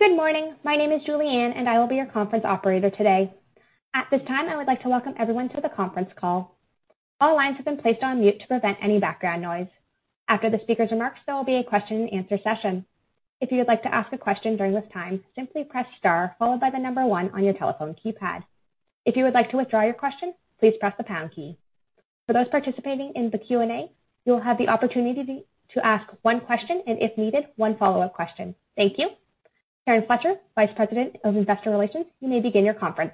Good morning. My name is Julienne, and I will be your conference operator today. At this time, I would like to welcome everyone to the conference call. All lines have been placed on mute to prevent any background noise. After the speaker's remarks, there will be a question-and-answer session. If you would like to ask a question during this time, simply press star followed by the number one on your telephone keypad. If you would like to withdraw your question, please press the pound key. For those participating in the Q&A, you will have the opportunity to ask one question and, if needed, one follow-up question. Thank you. Karen Fletcher, Vice President of Investor Relations, you may begin your conference.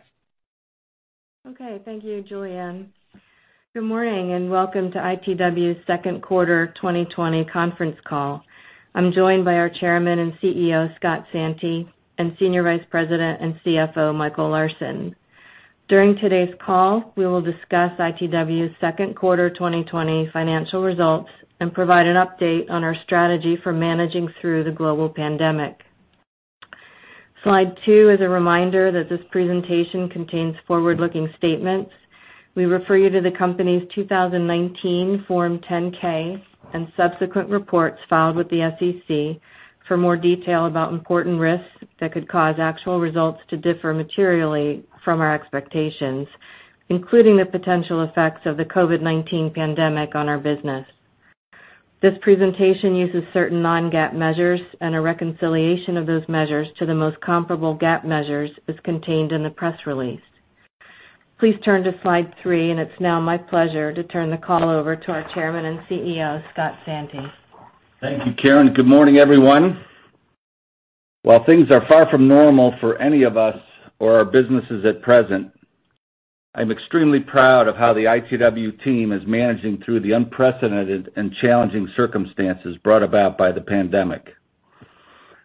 Okay. Thank you, Julienne. Good morning and welcome to ITW's second quarter 2020 conference call. I'm joined by our Chairman and CEO, Scott Santi, and Senior Vice President and CFO, Michael Larsen. During today's call, we will discuss ITW's second quarter 2020 financial results and provide an update on our strategy for managing through the global pandemic. Slide two is a reminder that this presentation contains forward-looking statements. We refer you to the company's 2019 Form 10-K and subsequent reports filed with the SEC for more detail about important risks that could cause actual results to differ materially from our expectations, including the potential effects of the COVID-19 pandemic on our business. This presentation uses certain non-GAAP measures, and a reconciliation of those measures to the most comparable GAAP measures is contained in the press release. Please turn to slide three, and it's now my pleasure to turn the call over to our Chairman and CEO, Scott Santi. Thank you, Karen. Good morning, everyone. While things are far from normal for any of us or our businesses at present, I'm extremely proud of how the ITW team is managing through the unprecedented and challenging circumstances brought about by the pandemic.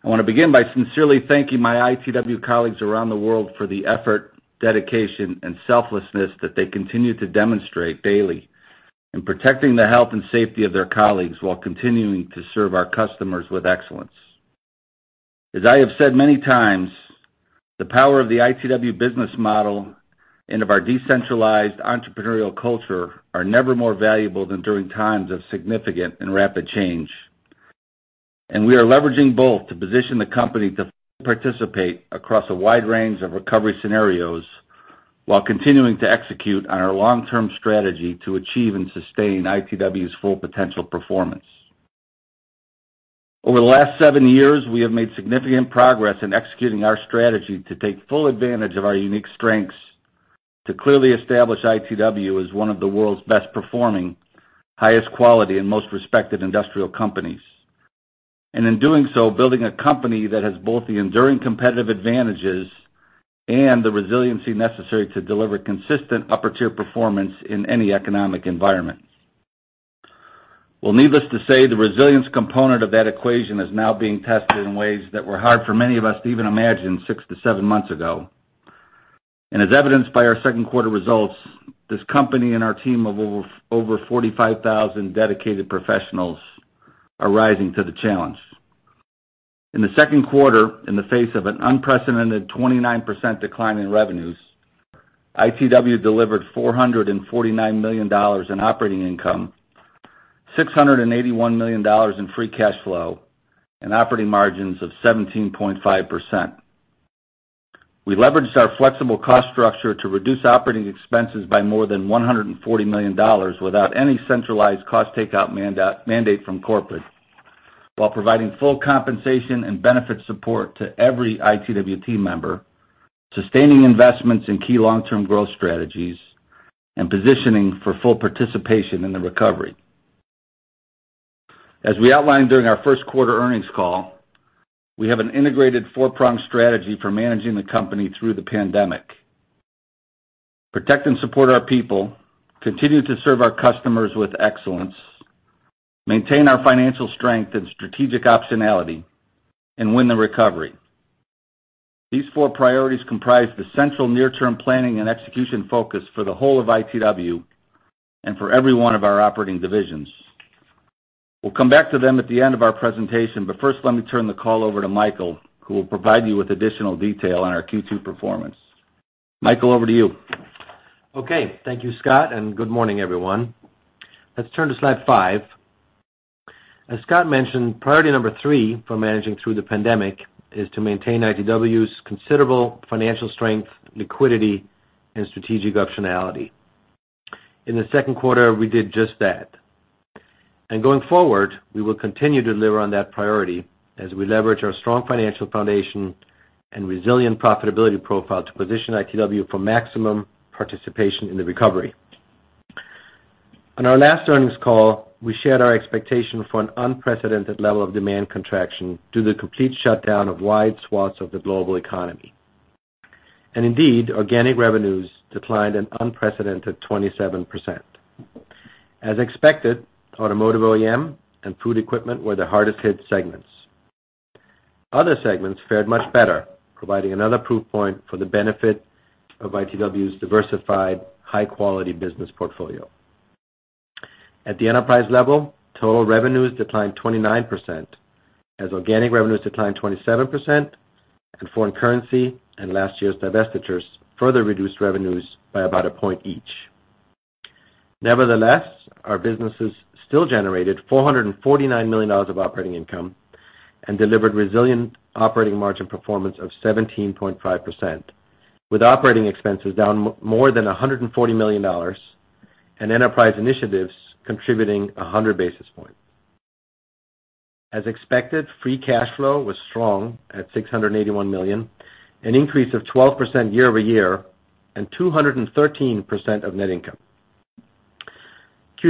I want to begin by sincerely thanking my ITW colleagues around the world for the effort, dedication, and selflessness that they continue to demonstrate daily in protecting the health and safety of their colleagues while continuing to serve our customers with excellence. As I have said many times, the power of the ITW business model and of our decentralized entrepreneurial culture are never more valuable than during times of significant and rapid change. We are leveraging both to position the company to fully participate across a wide range of recovery scenarios while continuing to execute on our long-term strategy to achieve and sustain ITW's full potential performance. Over the last seven years, we have made significant progress in executing our strategy to take full advantage of our unique strengths to clearly establish ITW as one of the world's best-performing, highest-quality, and most respected industrial companies. In doing so, building a company that has both the enduring competitive advantages and the resiliency necessary to deliver consistent upper-tier performance in any economic environment. Needless to say, the resilience component of that equation is now being tested in ways that were hard for many of us to even imagine six to seven months ago. As evidenced by our second quarter results, this company and our team of over 45,000 dedicated professionals are rising to the challenge. In the second quarter, in the face of an unprecedented 29% decline in revenues, ITW delivered $449 million in operating income, $681 million in free cash flow, and operating margins of 17.5%. We leveraged our flexible cost structure to reduce operating expenses by more than $140 million without any centralized cost takeout mandate from corporate, while providing full compensation and benefit support to every ITW team member, sustaining investments in key long-term growth strategies, and positioning for full participation in the recovery. As we outlined during our first quarter earnings call, we have an integrated four-prong strategy for managing the company through the pandemic: protect and support our people, continue to serve our customers with excellence, maintain our financial strength and strategic optionality, and win the recovery. These four priorities comprise the central near-term planning and execution focus for the whole of ITW and for every one of our operating divisions. We'll come back to them at the end of our presentation, but first, let me turn the call over to Michael, who will provide you with additional detail on our Q2 performance. Michael, over to you. Okay. Thank you, Scott, and good morning, everyone. Let's turn to slide five. As Scott mentioned, priority number three for managing through the pandemic is to maintain ITW's considerable financial strength, liquidity, and strategic optionality. In the second quarter, we did just that. Going forward, we will continue to deliver on that priority as we leverage our strong financial foundation and resilient profitability profile to position ITW for maximum participation in the recovery. On our last earnings call, we shared our expectation for an unprecedented level of demand contraction due to the complete shutdown of wide swaths of the global economy. Indeed, organic revenues declined an unprecedented 27%. As expected, automotive OEM and food equipment were the hardest-hit segments. Other segments fared much better, providing another proof point for the benefit of ITW's diversified, high-quality business portfolio. At the enterprise level, total revenues declined 29%, as organic revenues declined 27%, and foreign currency and last year's divestitures further reduced revenues by about a point each. Nevertheless, our businesses still generated $449 million of operating income and delivered resilient operating margin performance of 17.5%, with operating expenses down more than $140 million and enterprise initiatives contributing 100 basis points. As expected, free cash flow was strong at $681 million, an increase of 12% year-over-year, and 213% of net income.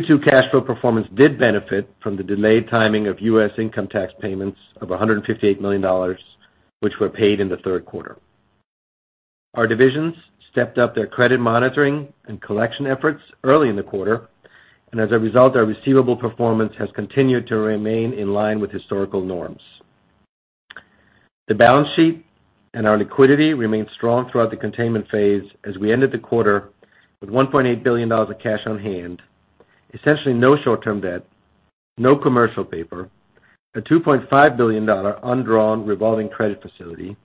Q2 cash flow performance did benefit from the delayed timing of U.S. income tax payments of $158 million, which were paid in the third quarter. Our divisions stepped up their credit monitoring and collection efforts early in the quarter, and as a result, our receivable performance has continued to remain in line with historical norms. The balance sheet and our liquidity remained strong throughout the containment phase as we ended the quarter with $1.8 billion of cash on hand, essentially no short-term debt, no commercial paper, a $2.5 billion undrawn revolving credit facility,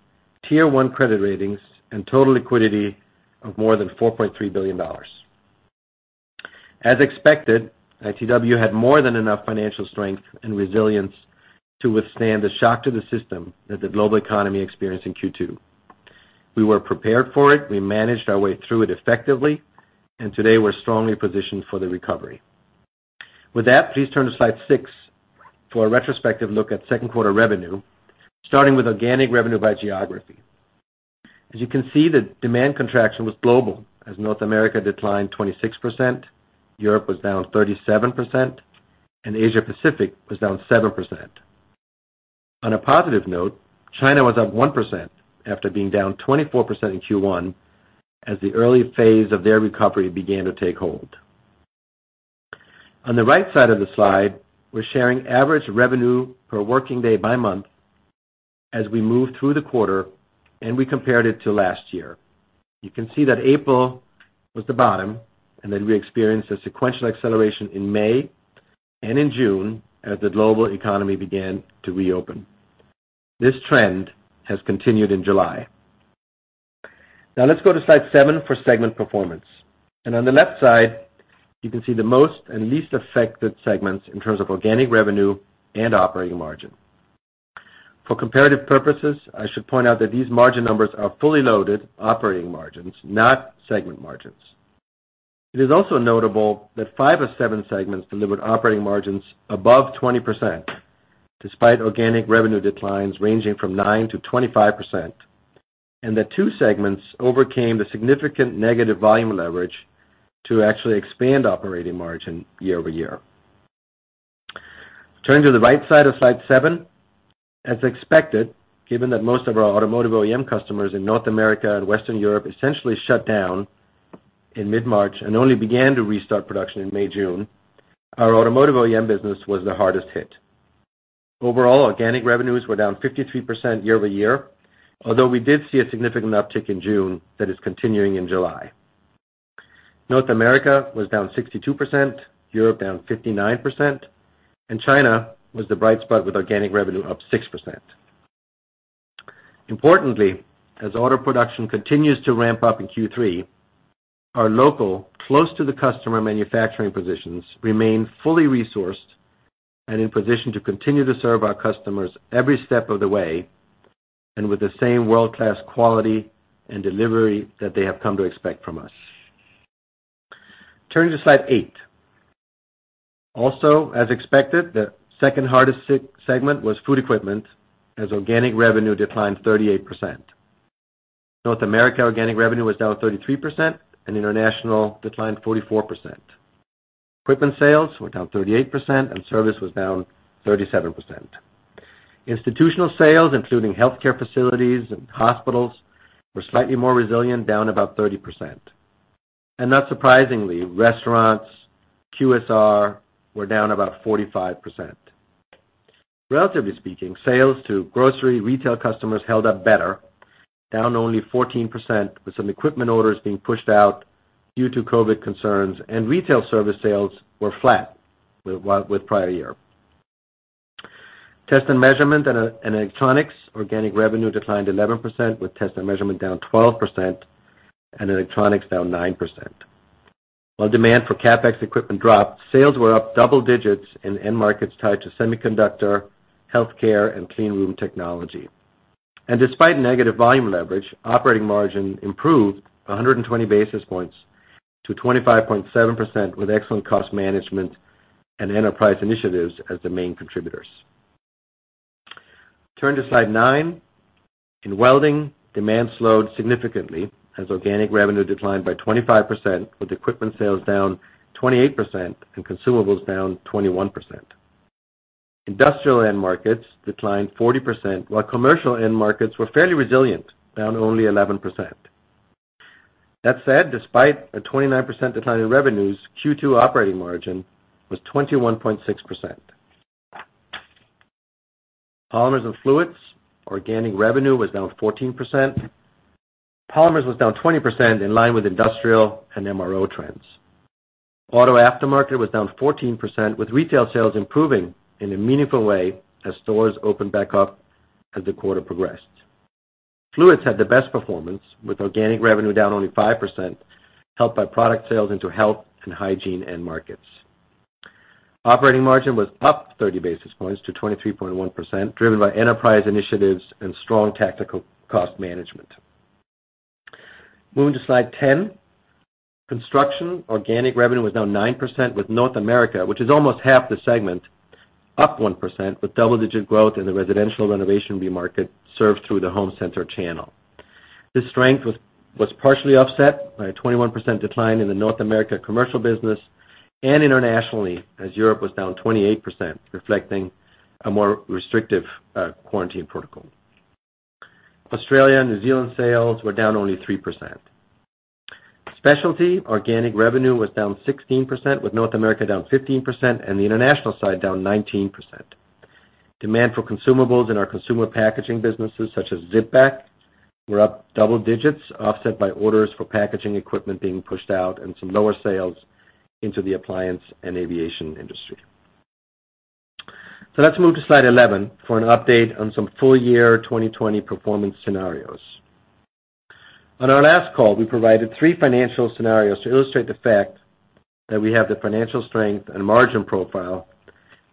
tier one credit ratings, and total liquidity of more than $4.3 billion. As expected, ITW had more than enough financial strength and resilience to withstand the shock to the system that the global economy experienced in Q2. We were prepared for it. We managed our way through it effectively, and today, we're strongly positioned for the recovery. With that, please turn to slide six for a retrospective look at second quarter revenue, starting with organic revenue by geography. As you can see, the demand contraction was global, as North America declined 26%, Europe was down 37%, and Asia-Pacific was down 7%. On a positive note, China was up 1% after being down 24% in Q1 as the early phase of their recovery began to take hold. On the right side of the slide, we're sharing average revenue per working day by month as we move through the quarter, and we compared it to last year. You can see that April was the bottom, and then we experienced a sequential acceleration in May and in June as the global economy began to reopen. This trend has continued in July. Now, let's go to slide seven for segment performance. On the left side, you can see the most and least affected segments in terms of organic revenue and operating margin. For comparative purposes, I should point out that these margin numbers are fully loaded operating margins, not segment margins. It is also notable that five of seven segments delivered operating margins above 20% despite organic revenue declines ranging from 9% to 25%, and that two segments overcame the significant negative volume leverage to actually expand operating margin year-over-year. Turning to the right side of slide seven, as expected, given that most of our automotive OEM customers in North America and Western Europe essentially shut down in mid-March and only began to restart production in May-June, our automotive OEM business was the hardest hit. Overall, organic revenues were down 53% year-over-year, although we did see a significant uptick in June that is continuing in July. North America was down 62%, Europe down 59%, and China was the bright spot with organic revenue up 6%. Importantly, as auto production continues to ramp up in Q3, our local, close-to-the-customer manufacturing positions remain fully resourced and in position to continue to serve our customers every step of the way with the same world-class quality and delivery that they have come to expect from us. Turning to slide eight. Also, as expected, the second hardest segment was food equipment as organic revenue declined 38%. North America organic revenue was down 33%, and international declined 44%. Equipment sales were down 38%, and service was down 37%. Institutional sales, including healthcare facilities and hospitals, were slightly more resilient, down about 30%. Not surprisingly, restaurants and QSR were down about 45%. Relatively speaking, sales to grocery retail customers held up better, down only 14%, with some equipment orders being pushed out due to COVID concerns, and retail service sales were flat with prior year. Test and measurement and electronics organic revenue declined 11%, with test and measurement down 12% and electronics down 9%. While demand for CapEx equipment dropped, sales were up double digits in end markets tied to semiconductor, healthcare, and clean room technology. Despite negative volume leverage, operating margin improved 120 basis points to 25.7% with excellent cost management and enterprise initiatives as the main contributors. Turn to slide nine. In welding, demand slowed significantly as organic revenue declined by 25%, with equipment sales down 28% and consumables down 21%. Industrial end markets declined 40%, while commercial end markets were fairly resilient, down only 11%. That said, despite a 29% decline in revenues, Q2 operating margin was 21.6%. Polymers and fluids, organic revenue was down 14%. Polymers was down 20% in line with industrial and MRO trends. Auto aftermarket was down 14%, with retail sales improving in a meaningful way as stores opened back up as the quarter progressed. Fluids had the best performance, with organic revenue down only 5%, helped by product sales into health and hygiene end markets. Operating margin was up 30 basis points to 23.1%, driven by enterprise initiatives and strong tactical cost management. Moving to slide 10, construction organic revenue was down 9% with North America, which is almost half the segment, up 1% with double-digit growth in the residential renovation B market served through the home center channel. This strength was partially offset by a 21% decline in the North America commercial business and internationally, as Europe was down 28%, reflecting a more restrictive quarantine protocol. Australia and New Zealand sales were down only 3%. Specialty organic revenue was down 16%, with North America down 15% and the international side down 19%. Demand for consumables in our consumer packaging businesses, such as Zip-Pak, were up double digits, offset by orders for packaging equipment being pushed out and some lower sales into the appliance and aviation industry. Let's move to slide 11 for an update on some full-year 2020 performance scenarios. On our last call, we provided three financial scenarios to illustrate the fact that we have the financial strength and margin profile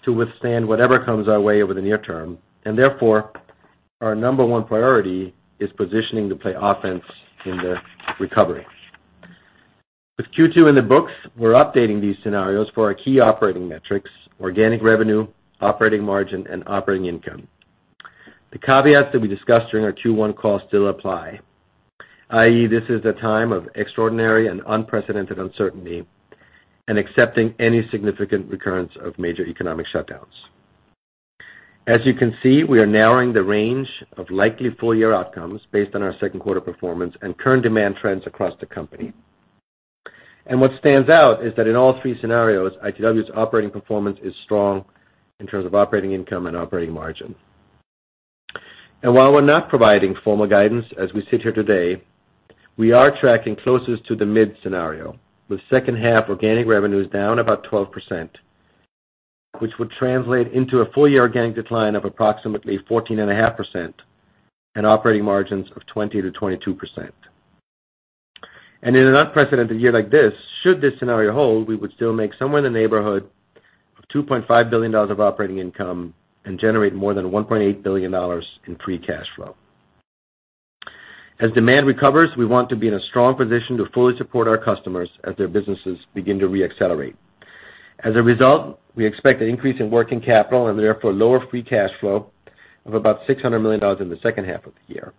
to withstand whatever comes our way over the near term, and therefore, our number one priority is positioning to play offense in the recovery. With Q2 in the books, we're updating these scenarios for our key operating metrics: organic revenue, operating margin, and operating income. The caveats that we discussed during our Q1 call still apply, i.e., this is a time of extraordinary and unprecedented uncertainty and accepting any significant recurrence of major economic shutdowns. As you can see, we are narrowing the range of likely full-year outcomes based on our second quarter performance and current demand trends across the company. What stands out is that in all three scenarios, ITW's operating performance is strong in terms of operating income and operating margin. While we're not providing formal guidance as we sit here today, we are tracking closest to the mid scenario, with second half organic revenues down about 12%, which would translate into a full-year organic decline of approximately 14.5% and operating margins of 20-22%. In an unprecedented year like this, should this scenario hold, we would still make somewhere in the neighborhood of $2.5 billion of operating income and generate more than $1.8 billion in free cash flow. As demand recovers, we want to be in a strong position to fully support our customers as their businesses begin to reaccelerate. As a result, we expect an increase in working capital and therefore lower free cash flow of about $600 million in the second half of the year.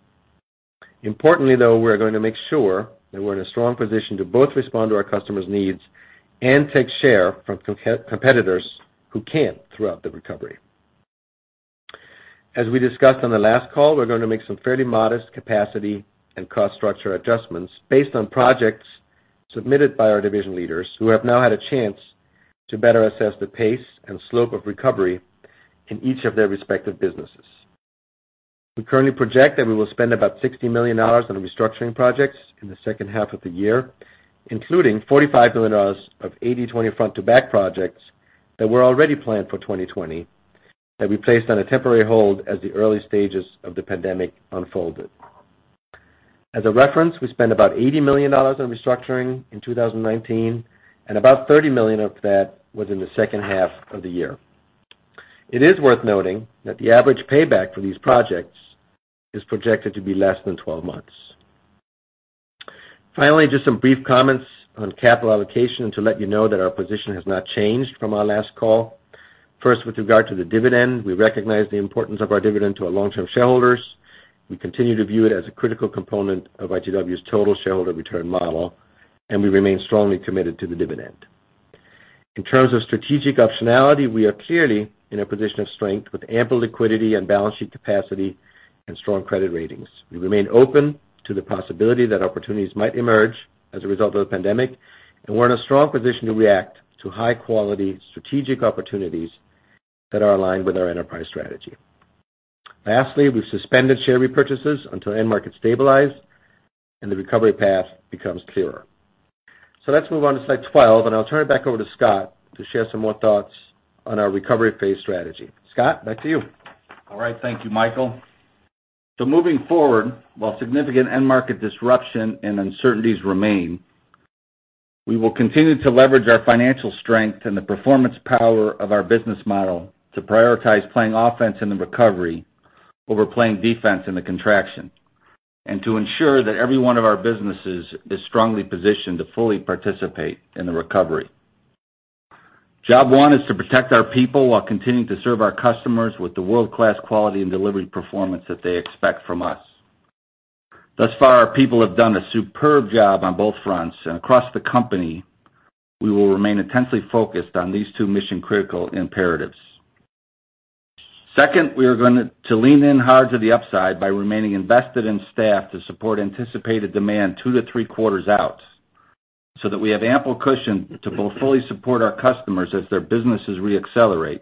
Importantly, though, we're going to make sure that we're in a strong position to both respond to our customers' needs and take share from competitors who can't throughout the recovery. As we discussed on the last call, we're going to make some fairly modest capacity and cost structure adjustments based on projects submitted by our division leaders who have now had a chance to better assess the pace and slope of recovery in each of their respective businesses. We currently project that we will spend about $60 million on restructuring projects in the second half of the year, including $45 million of 80/20 front-to-back projects that were already planned for 2020 that we placed on a temporary hold as the early stages of the pandemic unfolded. As a reference, we spent about $80 million on restructuring in 2019, and about $30 million of that was in the second half of the year. It is worth noting that the average payback for these projects is projected to be less than 12 months. Finally, just some brief comments on capital allocation to let you know that our position has not changed from our last call. First, with regard to the dividend, we recognize the importance of our dividend to our long-term shareholders. We continue to view it as a critical component of ITW's total shareholder return model, and we remain strongly committed to the dividend. In terms of strategic optionality, we are clearly in a position of strength with ample liquidity and balance sheet capacity and strong credit ratings. We remain open to the possibility that opportunities might emerge as a result of the pandemic, and we're in a strong position to react to high-quality strategic opportunities that are aligned with our enterprise strategy. Lastly, we've suspended share repurchases until end markets stabilize and the recovery path becomes clearer. Let's move on to slide 12, and I'll turn it back over to Scott to share some more thoughts on our recovery phase strategy. Scott, back to you. All right. Thank you, Michael. Moving forward, while significant end market disruption and uncertainties remain, we will continue to leverage our financial strength and the performance power of our business model to prioritize playing offense in the recovery over playing defense in the contraction and to ensure that every one of our businesses is strongly positioned to fully participate in the recovery. Job one is to protect our people while continuing to serve our customers with the world-class quality and delivery performance that they expect from us. Thus far, our people have done a superb job on both fronts, and across the company, we will remain intensely focused on these two mission-critical imperatives. Second, we are going to lean in hard to the upside by remaining invested in staff to support anticipated demand two to three quarters out so that we have ample cushion to both fully support our customers as their businesses reaccelerate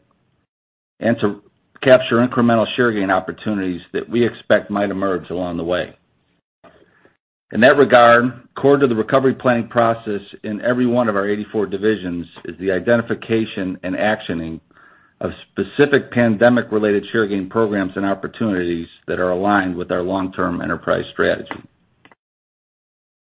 and to capture incremental share gain opportunities that we expect might emerge along the way. In that regard, core to the recovery planning process in every one of our 84 divisions is the identification and actioning of specific pandemic-related share gain programs and opportunities that are aligned with our long-term enterprise strategy.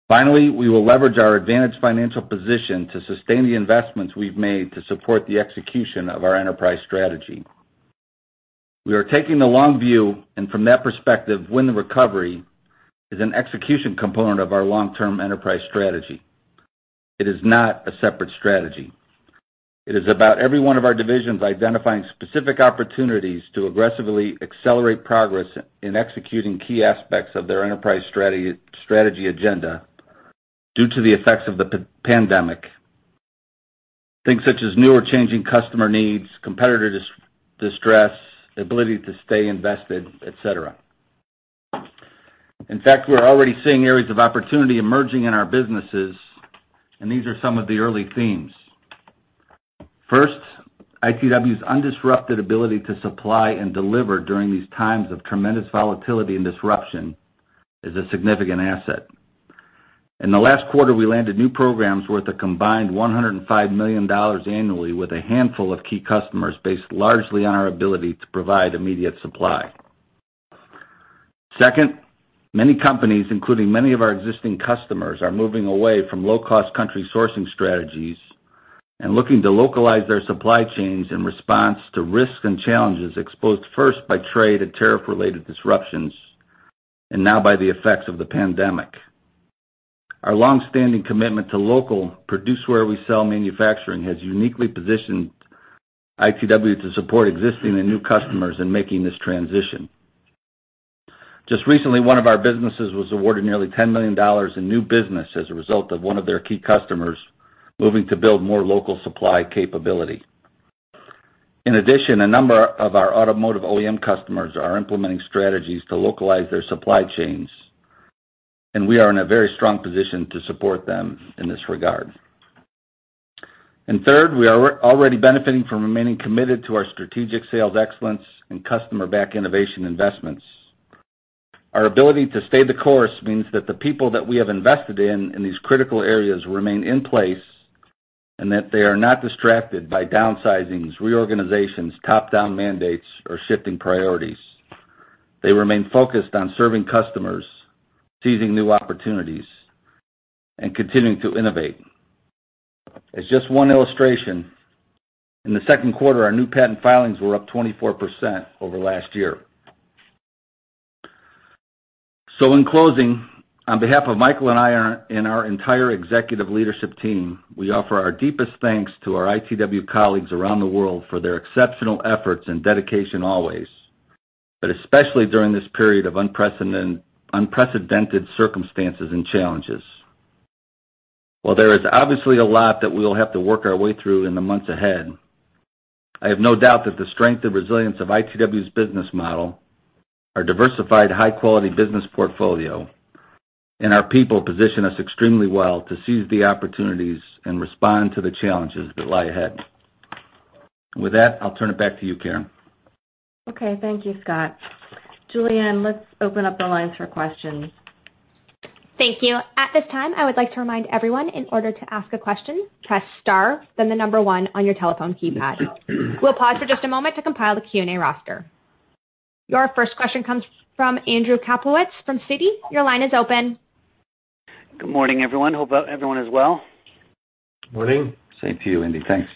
Finally, we will leverage our advantaged financial position to sustain the investments we've made to support the execution of our enterprise strategy. We are taking the long view, and from that perspective, when the recovery is an execution component of our long-term enterprise strategy, it is not a separate strategy. It is about every one of our divisions identifying specific opportunities to aggressively accelerate progress in executing key aspects of their enterprise strategy agenda due to the effects of the pandemic, things such as new or changing customer needs, competitor distress, ability to stay invested, etc. In fact, we are already seeing areas of opportunity emerging in our businesses, and these are some of the early themes. First, ITW's undisrupted ability to supply and deliver during these times of tremendous volatility and disruption is a significant asset. In the last quarter, we landed new programs worth a combined $105 million annually with a handful of key customers based largely on our ability to provide immediate supply. Second, many companies, including many of our existing customers, are moving away from low-cost country sourcing strategies and looking to localize their supply chains in response to risks and challenges exposed first by trade and tariff-related disruptions and now by the effects of the pandemic. Our long-standing commitment to local produce-where-we-sell manufacturing has uniquely positioned ITW to support existing and new customers in making this transition. Just recently, one of our businesses was awarded nearly $10 million in new business as a result of one of their key customers moving to build more local supply capability. In addition, a number of our automotive OEM customers are implementing strategies to localize their supply chains, and we are in a very strong position to support them in this regard. Third, we are already benefiting from remaining committed to our strategic sales excellence and customer-backed innovation investments. Our ability to stay the course means that the people that we have invested in in these critical areas remain in place and that they are not distracted by downsizings, reorganizations, top-down mandates, or shifting priorities. They remain focused on serving customers, seizing new opportunities, and continuing to innovate. As just one illustration, in the second quarter, our new patent filings were up 24% over last year. In closing, on behalf of Michael and I and our entire executive leadership team, we offer our deepest thanks to our ITW colleagues around the world for their exceptional efforts and dedication always, but especially during this period of unprecedented circumstances and challenges. While there is obviously a lot that we will have to work our way through in the months ahead, I have no doubt that the strength and resilience of ITW's business model, our diversified high-quality business portfolio, and our people position us extremely well to seize the opportunities and respond to the challenges that lie ahead. With that, I'll turn it back to you, Karen. Okay. Thank you, Scott. Julienne, let's open up the lines for questions. Thank you. At this time, I would like to remind everyone in order to ask a question, press star, then the number one on your telephone keypad. We'll pause for just a moment to compile the Q&A roster. Your first question comes from Andrew Kaplowitz from Citi. Your line is open. Good morning, everyone. Hope everyone is well. Good morning. Same to you, Andy. Thanks.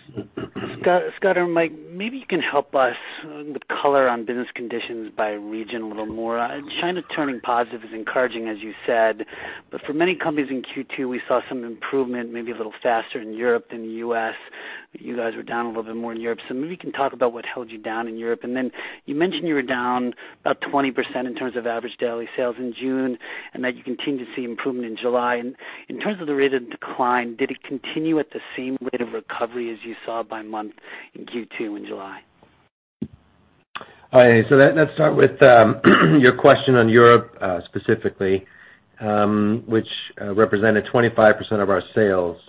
Scott or Mike, maybe you can help us with color on business conditions by region a little more. China turning positive is encouraging, as you said, but for many companies in Q2, we saw some improvement, maybe a little faster in Europe than the U.S. You guys were down a little bit more in Europe. Maybe you can talk about what held you down in Europe. You mentioned you were down about 20% in terms of average daily sales in June and that you continued to see improvement in July. In terms of the rate of decline, did it continue at the same rate of recovery as you saw by month in Q2 in July? All right. Let's start with your question on Europe specifically, which represented 25% of our sales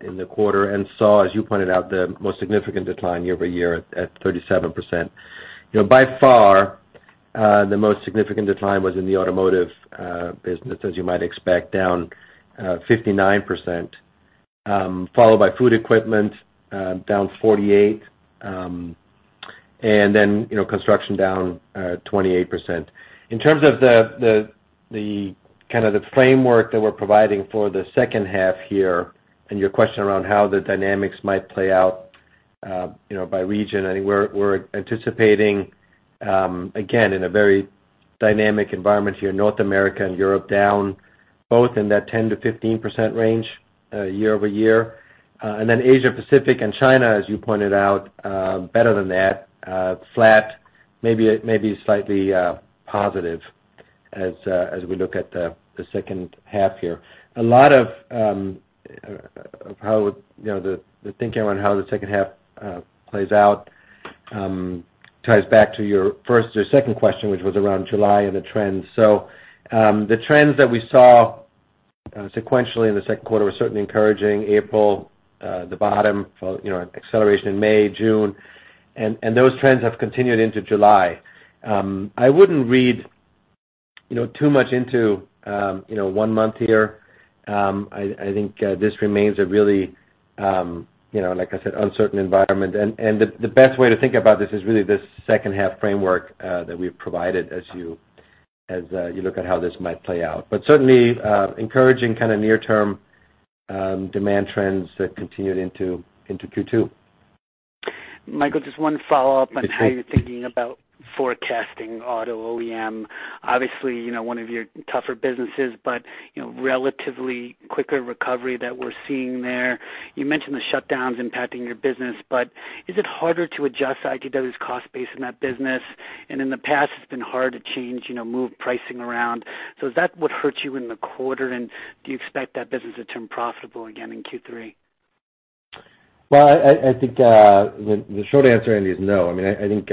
in the quarter and saw, as you pointed out, the most significant decline year over year at 37%. By far, the most significant decline was in the automotive business, as you might expect, down 59%, followed by food equipment, down 48%, and then construction down 28%. In terms of the kind of the framework that we're providing for the second half here and your question around how the dynamics might play out by region, I think we're anticipating, again, in a very dynamic environment here, North America and Europe down both in that 10-15% range year over year. Asia-Pacific and China, as you pointed out, better than that, flat, maybe slightly positive as we look at the second half here. A lot of how the thinking around how the second half plays out ties back to your first or second question, which was around July and the trends. The trends that we saw sequentially in the second quarter were certainly encouraging: April, the bottom, acceleration in May, June, and those trends have continued into July. I would not read too much into one month here. I think this remains a really, like I said, uncertain environment. The best way to think about this is really this second half framework that we have provided as you look at how this might play out, but certainly encouraging kind of near-term demand trends that continued into Q2. Michael, just one follow-up on how you are thinking about forecasting auto OEM. Obviously, one of your tougher businesses, but relatively quicker recovery that we are seeing there. You mentioned the shutdowns impacting your business, but is it harder to adjust ITW's cost base in that business? In the past, it's been hard to change, move pricing around. Is that what hurt you in the quarter? Do you expect that business to turn profitable again in Q3? I think the short answer, Andy, is no. I mean, I think,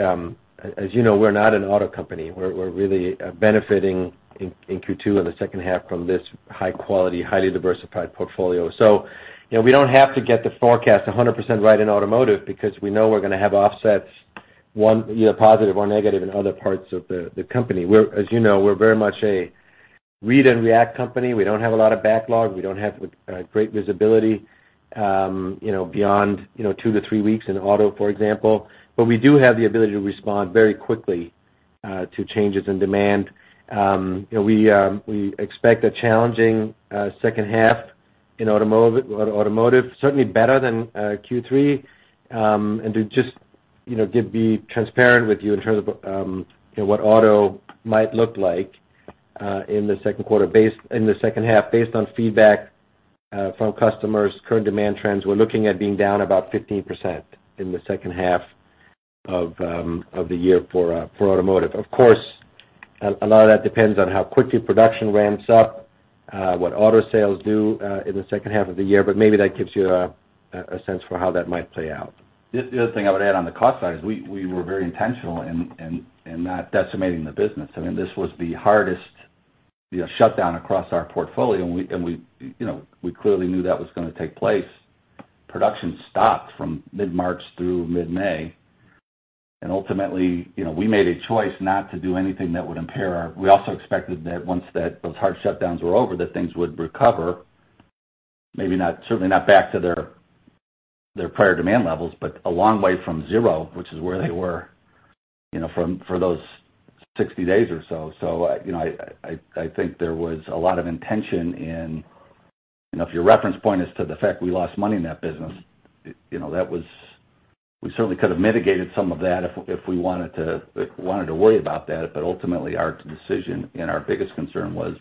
as you know, we're not an auto company. We're really benefiting in Q2 and the second half from this high-quality, highly diversified portfolio. We don't have to get the forecast 100% right in automotive because we know we're going to have offsets, one either positive or negative in other parts of the company. As you know, we're very much a read and react company. We don't have a lot of backlog. We do not have great visibility beyond two to three weeks in auto, for example. We do have the ability to respond very quickly to changes in demand. We expect a challenging second half in automotive, certainly better than Q3. To just be transparent with you in terms of what auto might look like in the second quarter, in the second half, based on feedback from customers, current demand trends, we are looking at being down about 15% in the second half of the year for automotive. Of course, a lot of that depends on how quickly production ramps up, what auto sales do in the second half of the year, but maybe that gives you a sense for how that might play out. The other thing I would add on the cost side is we were very intentional in not decimating the business. I mean, this was the hardest shutdown across our portfolio, and we clearly knew that was going to take place. Production stopped from mid-March through mid-May. Ultimately, we made a choice not to do anything that would impair our—we also expected that once those hard shutdowns were over, that things would recover, maybe certainly not back to their prior demand levels, but a long way from zero, which is where they were for those 60 days or so. I think there was a lot of intention in—if your reference point is to the fact we lost money in that business, we certainly could have mitigated some of that if we wanted to worry about that. Ultimately, our decision and our biggest concern was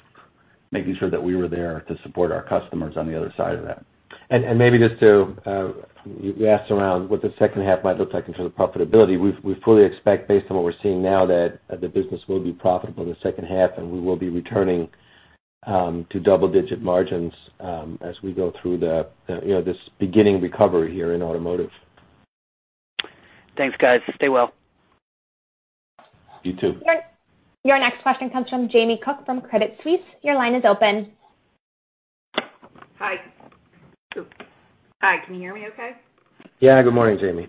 making sure that we were there to support our customers on the other side of that. Maybe just to—we asked around what the second half might look like in terms of profitability. We fully expect, based on what we are seeing now, that the business will be profitable in the second half, and we will be returning to double-digit margins as we go through this beginning recovery here in automotive. Thanks, guys. Stay well. You too. Your next question comes from Jamie Cook from Credit Suisse. Your line is open. Hi. Hi. Can you hear me okay? Yeah. Good morning, Jamie.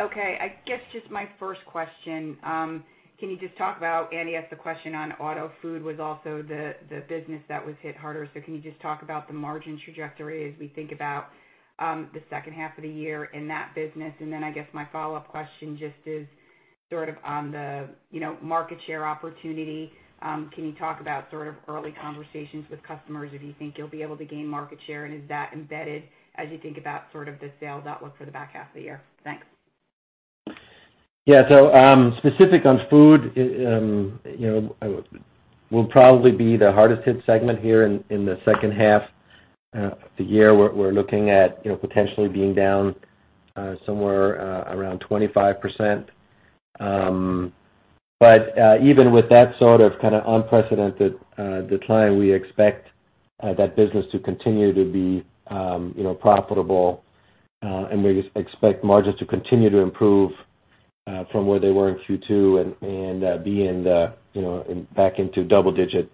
Okay. I guess just my first question. Can you just talk about—Andy asked the question on auto food was also the business that was hit harder. Can you just talk about the margin trajectory as we think about the second half of the year in that business? I guess my follow-up question just is sort of on the market share opportunity. Can you talk about sort of early conversations with customers if you think you'll be able to gain market share, and is that embedded as you think about sort of the sales outlook for the back half of the year? Thanks. Yeah. Specific on food, it will probably be the hardest-hit segment here in the second half of the year. We're looking at potentially being down somewhere around 25%. Even with that sort of kind of unprecedented decline, we expect that business to continue to be profitable, and we expect margins to continue to improve from where they were in Q2 and be back into double-digit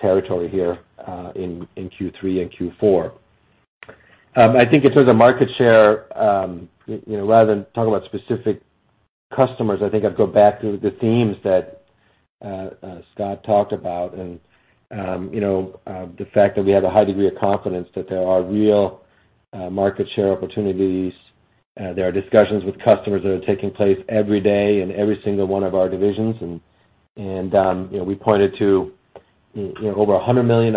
territory here in Q3 and Q4. I think in terms of market share, rather than talking about specific customers, I think I'd go back to the themes that Scott talked about and the fact that we have a high degree of confidence that there are real market share opportunities. There are discussions with customers that are taking place every day in every single one of our divisions. We pointed to over $100 million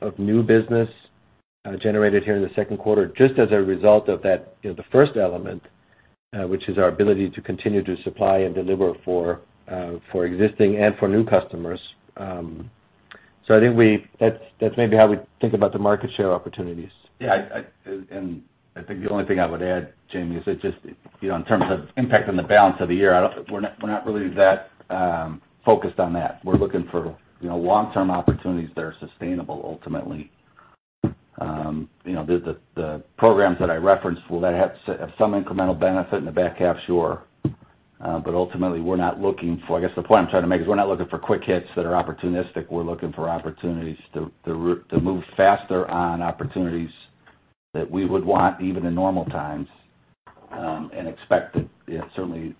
of new business generated here in the second quarter just as a result of that, the first element, which is our ability to continue to supply and deliver for existing and for new customers. I think that's maybe how we think about the market share opportunities. Yeah. I think the only thing I would add, Jamie, is that just in terms of impact on the balance of the year, we're not really that focused on that. We're looking for long-term opportunities that are sustainable ultimately. The programs that I referenced will have some incremental benefit in the back half, sure. Ultimately, we're not looking for—I guess the point I'm trying to make is we're not looking for quick hits that are opportunistic. We're looking for opportunities to move faster on opportunities that we would want even in normal times and expect that certainly,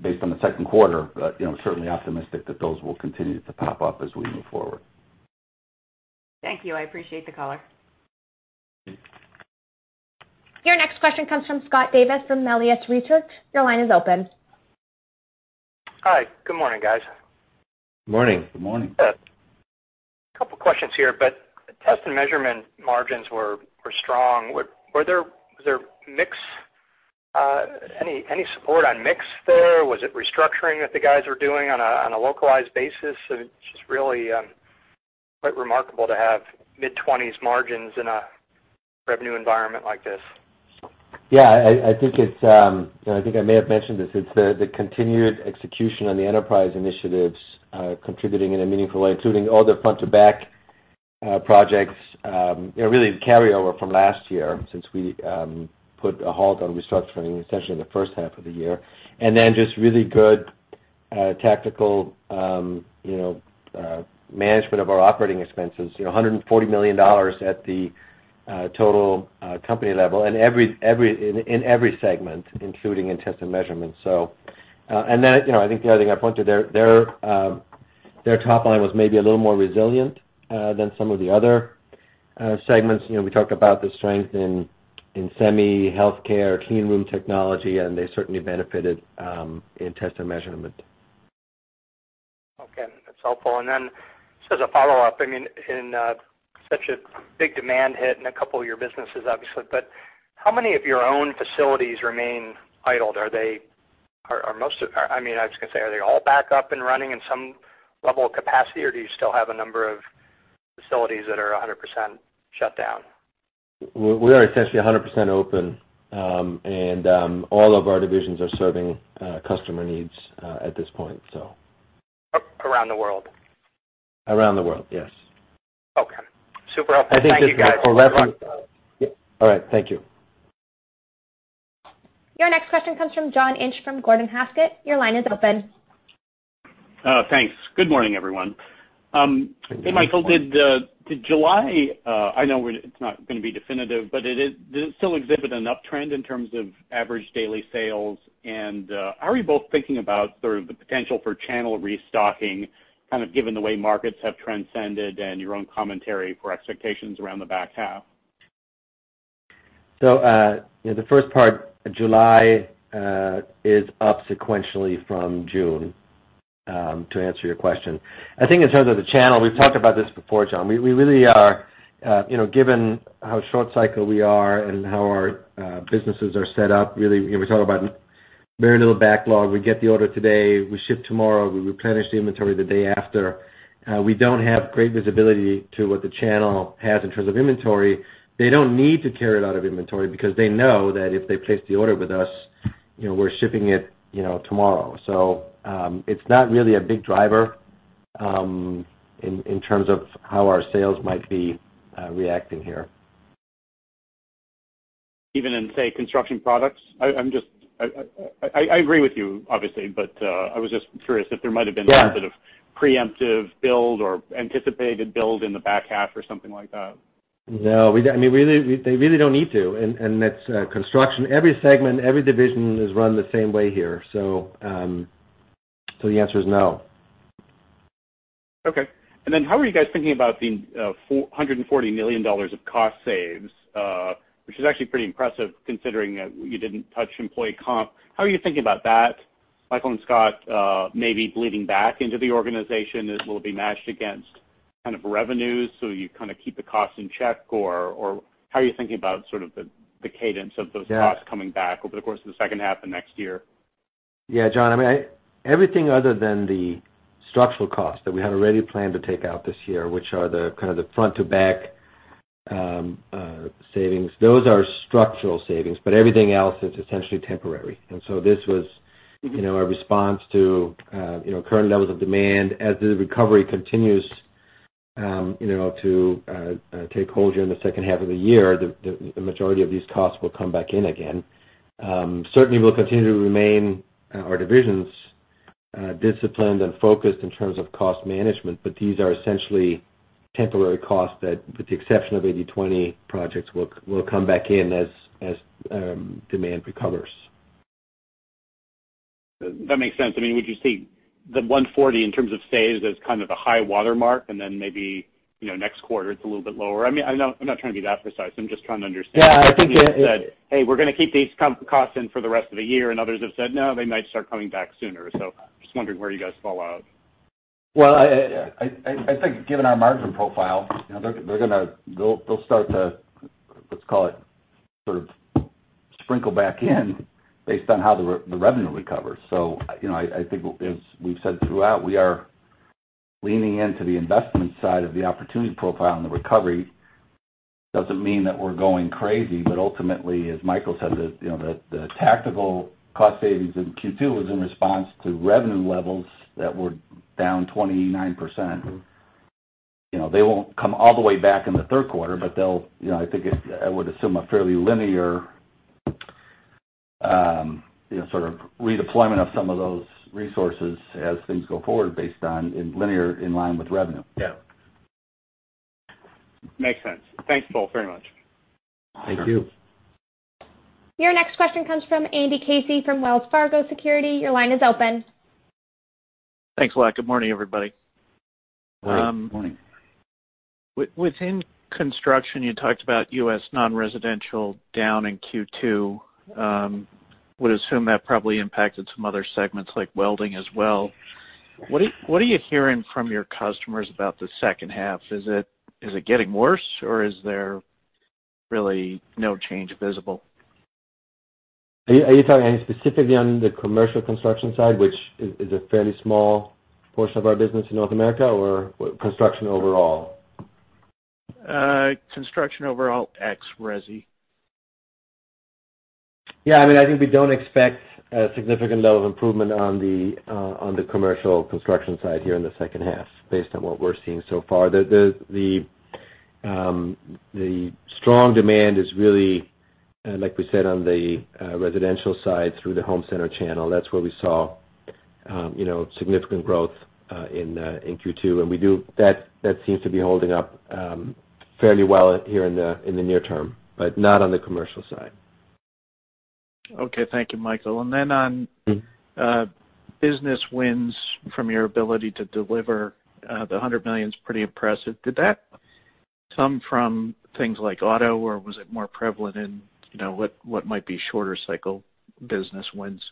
based on the second quarter, certainly optimistic that those will continue to pop up as we move forward. Thank you. I appreciate the color. Your next question comes from Scott Davis from Melius Research. Your line is open. Hi. Good morning, guys. Good morning. Good morning. A couple of questions here, but test and measurement margins were strong. Was there mixed—any support on mix there? Was it restructuring that the guys were doing on a localized basis? It's just really quite remarkable to have mid-20s margins in a revenue environment like this. Yeah. I think it's—I think I may have mentioned this—it's the continued execution on the enterprise initiatives contributing in a meaningful way, including all the front-to-back projects, really carryover from last year since we put a halt on restructuring, essentially, in the first half of the year. Then just really good tactical management of our operating expenses, $140 million at the total company level in every segment, including in test and measurement. I think the other thing I pointed out, their top line was maybe a little more resilient than some of the other segments. We talked about the strength in semi-healthcare, clean room technology, and they certainly benefited in test and measurement. Okay. That's helpful. Just as a follow-up, I mean, in such a big demand hit in a couple of your businesses, obviously, but how many of your own facilities remain idled? Are they—I mean, I was going to say, are they all back up and running in some level of capacity, or do you still have a number of facilities that are 100% shut down? We are essentially 100% open, and all of our divisions are serving customer needs at this point. Around the world? Around the world, yes. Okay. Super helpful. Thank you, guys. Thank you for referencing. All right. Thank you. Your next question comes from John Inch from Gordon Haskett. Your line is open. Thanks. Good morning, everyone. Hey, Michael, did July—I know it's not going to be definitive—but did it still exhibit an uptrend in terms of average daily sales? How are you both thinking about sort of the potential for channel restocking, kind of given the way markets have transcended and your own commentary for expectations around the back half? The first part, July is up sequentially from June, to answer your question. I think in terms of the channel, we've talked about this before, John. We really are, given how short-cycle we are and how our businesses are set up, really, we talk about very little backlog. We get the order today. We ship tomorrow. We replenish the inventory the day after. We do not have great visibility to what the channel has in terms of inventory. They do not need to carry a lot of inventory because they know that if they place the order with us, we are shipping it tomorrow. It is not really a big driver in terms of how our sales might be reacting here. Even in, say, construction products? I agree with you, obviously, but I was just curious if there might have been some sort of preemptive build or anticipated build in the back half or something like that. No. I mean, they really do not need to. And that is construction. Every segment, every division is run the same way here. The answer is no. Okay. Then how are you guys thinking about the $140 million of cost saves, which is actually pretty impressive considering you did not touch employee comp? How are you thinking about that? Michael and Scott may be bleeding back into the organization. It will be matched against kind of revenues, so you kind of keep the costs in check. How are you thinking about sort of the cadence of those costs coming back over the course of the second half of next year? Yeah, John. I mean, everything other than the structural costs that we had already planned to take out this year, which are kind of the front-to-back savings, those are structural savings. Everything else is essentially temporary. This was a response to current levels of demand. As the recovery continues to take hold here in the second half of the year, the majority of these costs will come back in again. Certainly, we will continue to remain our divisions disciplined and focused in terms of cost management, but these are essentially temporary costs that, with the exception of 80/20 projects, will come back in as demand recovers. That makes sense. I mean, would you see the 140 in terms of saves as kind of a high watermark? And then maybe next quarter, it's a little bit lower? I mean, I'm not trying to be that precise. I'm just trying to understand. Yeah. I think others have said, "Hey, we're going to keep these costs in for the rest of the year," and others have said, "No, they might start coming back sooner." I am just wondering where you guys fall out. I think given our margin profile, they're going to—they'll start to, let's call it, sort of sprinkle back in based on how the revenue recovers. I think, as we've said throughout, we are leaning into the investment side of the opportunity profile and the recovery. It doesn't mean that we're going crazy, but ultimately, as Michael said, the tactical cost savings in Q2 was in response to revenue levels that were down 29%. They won't come all the way back in the third quarter, but I think I would assume a fairly linear sort of redeployment of some of those resources as things go forward based on linear in line with revenue. Yeah. Makes sense. Thanks both very much. Thank you. Your next question comes from Andy Casey from Wells Fargo Securities. Your line is open. Thanks, Lach. Good morning, everybody. Good morning. Within construction, you talked about U.S. non-residential down in Q2. Would assume that probably impacted some other segments like welding as well. What are you hearing from your customers about the second half? Is it getting worse, or is there really no change visible? Are you talking specifically on the commercial construction side, which is a fairly small portion of our business in North America, or construction overall? Construction overall, ex resi. Yeah. I mean, I think we do not expect a significant level of improvement on the commercial construction side here in the second half based on what we are seeing so far. The strong demand is really, like we said, on the residential side through the home center channel. That is where we saw significant growth in Q2. That seems to be holding up fairly well here in the near term, but not on the commercial side. Okay. Thank you, Michael. Then on business wins from your ability to deliver the $100 million is pretty impressive. Did that come from things like auto, or was it more prevalent in what might be shorter-cycle business wins?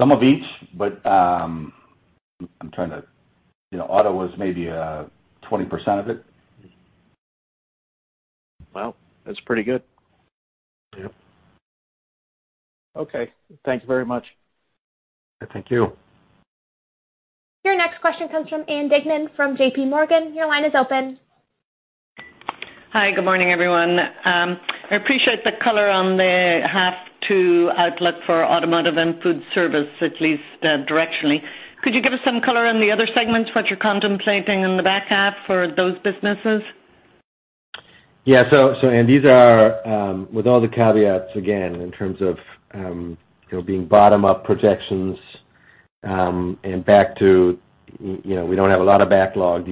Some of each, but I'm trying to—auto was maybe 20% of it. Wow. That's pretty good. Yep. Okay. Thank you very much. Thank you. Your next question comes from Ann Duignan from JPMorgan. Your line is open. Hi. Good morning, everyone. I appreciate the color on the half to outlook for automotive and food service, at least directionally. Could you give us some color on the other segments? What you're contemplating in the back half for those businesses? Yeah. Ann, these are with all the caveats, again, in terms of being bottom-up projections and back to we don't have a lot of backlog.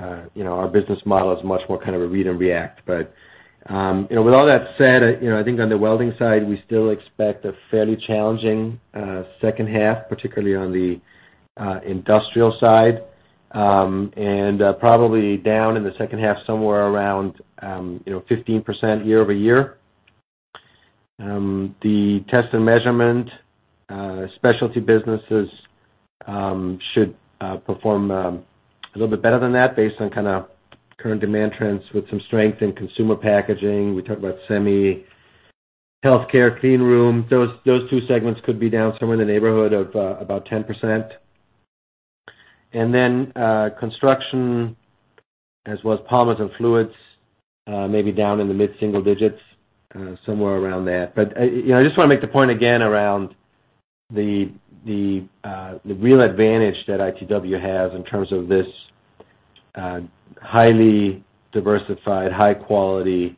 Our business model is much more kind of a read and react. With all that said, I think on the welding side, we still expect a fairly challenging second half, particularly on the industrial side, and probably down in the second half somewhere around 15% year over year. The test and measurement specialty businesses should perform a little bit better than that based on kind of current demand trends with some strength in consumer packaging. We talked about semi-healthcare, clean room. Those two segments could be down somewhere in the neighborhood of about 10%. Construction, as well as polymers and fluids, maybe down in the mid-single digits, somewhere around that. I just want to make the point again around the real advantage that ITW has in terms of this highly diversified, high-quality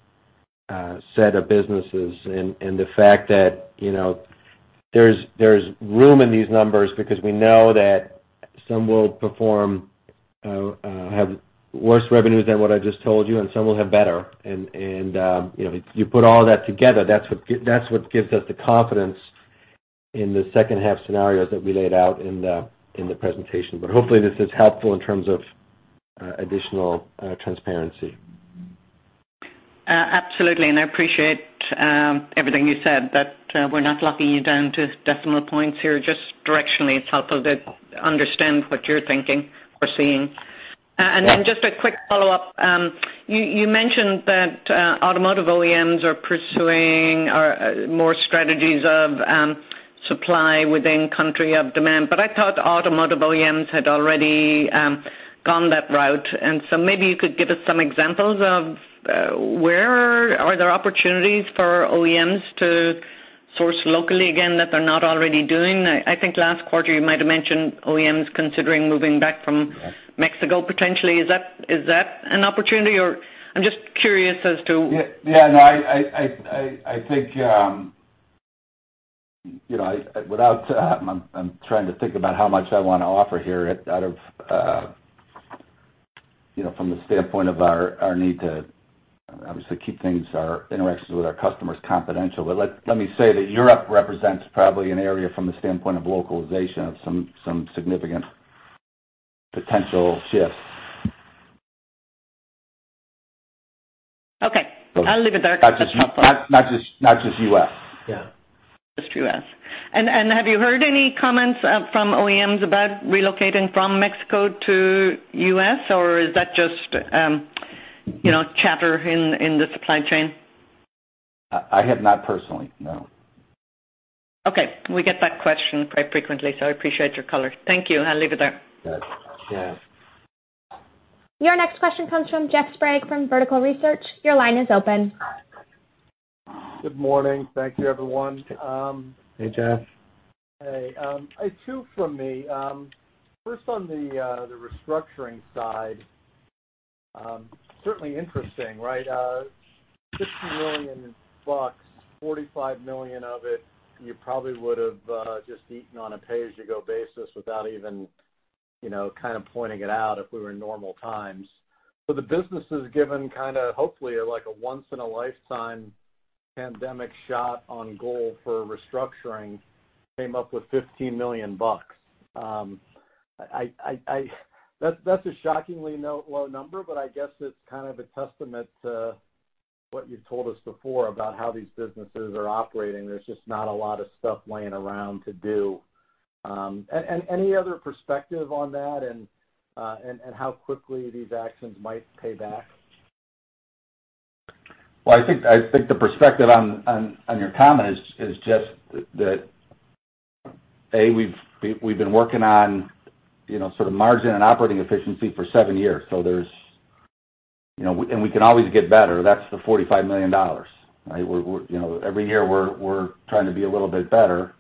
set of businesses and the fact that there's room in these numbers because we know that some will perform, have worse revenues than what I just told you, and some will have better. If you put all that together, that's what gives us the confidence in the second-half scenarios that we laid out in the presentation. Hopefully, this is helpful in terms of additional transparency. Absolutely. I appreciate everything you said, that we're not locking you down to decimal points here. Just directionally, it's helpful to understand what you're thinking or seeing. Just a quick follow-up. You mentioned that automotive OEMs are pursuing more strategies of supply within country of demand. I thought automotive OEMs had already gone that route. Maybe you could give us some examples of where are there opportunities for OEMs to source locally again that they're not already doing? I think last quarter, you might have mentioned OEMs considering moving back from Mexico potentially. Is that an opportunity? I am just curious as to. Yeah. No. I think without—I am trying to think about how much I want to offer here out of from the standpoint of our need to, obviously, keep interactions with our customers confidential. Let me say that Europe represents probably an area from the standpoint of localization of some significant potential shifts. Okay. I will leave it there. Not just U.S. Yeah. Just U.S. Have you heard any comments from OEMs about relocating from Mexico to U.S., or is that just chatter in the supply chain? I have not personally. No. Okay. We get that question quite frequently, so I appreciate your color. Thank you. I'll leave it there. Yeah. Your next question comes from Jeff Sprague from Vertical Research. Your line is open. Good morning. Thank you, everyone. Hey, Jeff. Hey. Two from me. First, on the restructuring side, certainly interesting, right? $15 million, $45 million of it, you probably would have just eaten on a pay-as-you-go basis without even kind of pointing it out if we were in normal times. But the businesses, given kind of hopefully a once-in-a-lifetime pandemic shot on goal for restructuring, came up with $15 million. That's a shockingly low number, but I guess it's kind of a testament to what you've told us before about how these businesses are operating. There's just not a lot of stuff laying around to do. Any other perspective on that and how quickly these actions might pay back? I think the perspective on your comment is just that, we've been working on sort of margin and operating efficiency for seven years. We can always get better. That's the $45 million, right? Every year, we're trying to be a little bit better.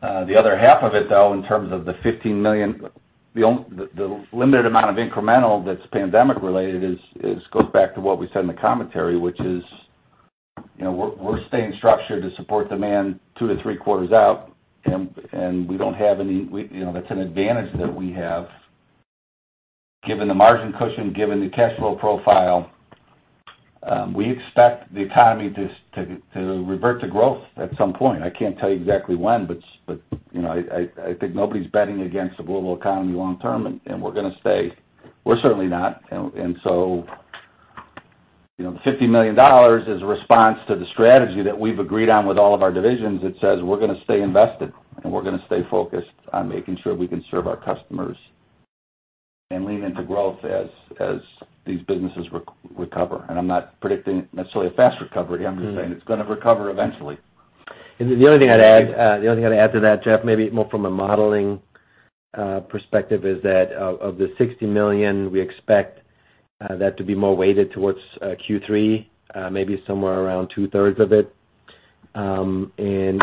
The other half of it, though, in terms of the $15 million, the limited amount of incremental that's pandemic-related, goes back to what we said in the commentary, which is we're staying structured to support demand two to three quarters out, and we don't have any—that's an advantage that we have. Given the margin cushion, given the cash flow profile, we expect the economy to revert to growth at some point. I can't tell you exactly when, but I think nobody's betting against a global economy long-term, and we're going to stay. We're certainly not. The $15 million is a response to the strategy that we've agreed on with all of our divisions that says we're going to stay invested, and we're going to stay focused on making sure we can serve our customers and lean into growth as these businesses recover. I'm not predicting necessarily a fast recovery. I'm just saying it's going to recover eventually. The only thing I'd add—the only thing I'd add to that, Jeff, maybe more from a modeling perspective, is that of the $60 million, we expect that to be more weighted towards Q3, maybe somewhere around two-thirds of it in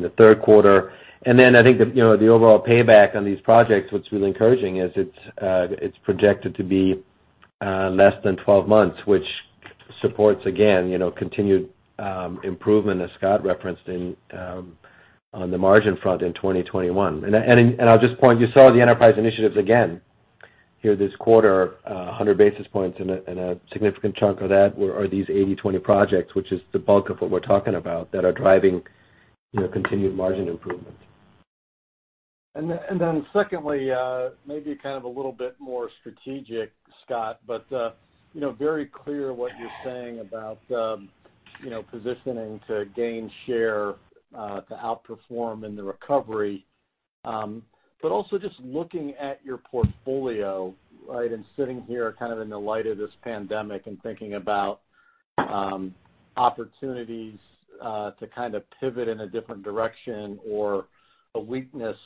the third quarter. I think the overall payback on these projects, what's really encouraging, is it's projected to be less than 12 months, which supports, again, continued improvement, as Scott referenced, on the margin front in 2021. I'll just point—you saw the enterprise initiatives again here this quarter, 100 basis points, and a significant chunk of that are these 80/20 projects, which is the bulk of what we're talking about, that are driving continued margin improvement. Secondly, maybe kind of a little bit more strategic, Scott, but very clear what you're saying about positioning to gain share, to outperform in the recovery. Also, just looking at your portfolio, right, and sitting here kind of in the light of this pandemic and thinking about opportunities to kind of pivot in a different direction or a weakness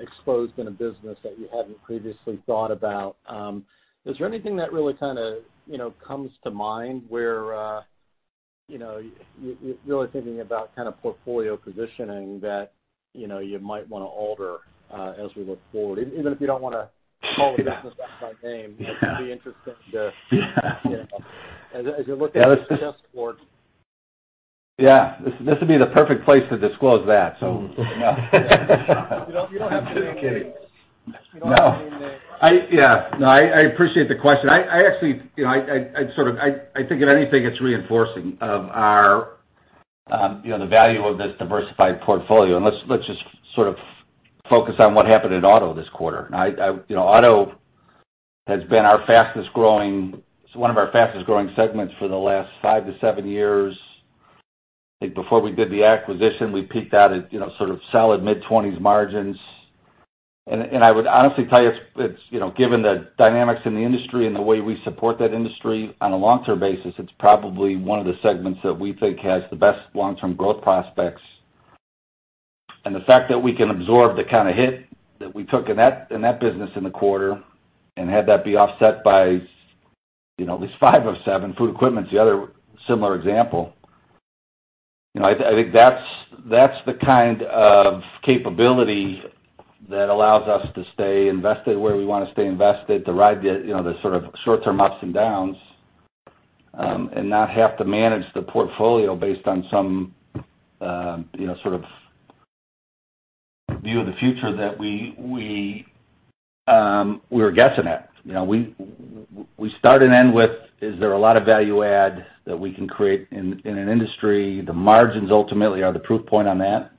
exposed in a business that you had not previously thought about, is there anything that really kind of comes to mind where you are really thinking about kind of portfolio positioning that you might want to alter as we look forward? Even if you do not want to call a business out by name, it would be interesting to—as you look at the test score. Yeah. This would be the perfect place to disclose that, so No. You do not have to name. I am just kidding. You do not have to name names. Yeah. No. I appreciate the question. I actually sort of—I think of anything that is reinforcing of the value of this diversified portfolio. Let's just sort of focus on what happened in auto this quarter. Auto has been one of our fastest-growing segments for the last five to seven years. I think before we did the acquisition, we peaked out at sort of solid mid-20s margins. I would honestly tell you, given the dynamics in the industry and the way we support that industry on a long-term basis, it's probably one of the segments that we think has the best long-term growth prospects. The fact that we can absorb the kind of hit that we took in that business in the quarter and had that be offset by at least five of seven, food equipment's the other similar example, I think that's the kind of capability that allows us to stay invested where we want to stay invested, to ride the sort of short-term ups and downs, and not have to manage the portfolio based on some sort of view of the future that we were guessing at. We started in with, "Is there a lot of value add that we can create in an industry?" The margins ultimately are the proof point on that.